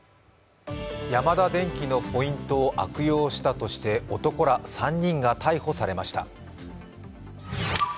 ヤマダデンキのポイントを悪用したとして男ら３人が逮捕されました。